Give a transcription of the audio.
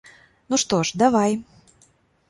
Ну, што ж, давай!